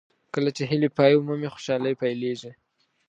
کله چې هیلې پای ومومي خوشالۍ پیلېږي.